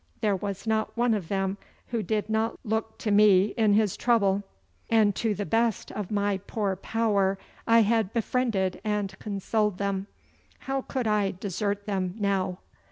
There was not one of them who did not look to me in his trouble, and to the best of my poor power I had befriended and consoled them. How could I desert them now?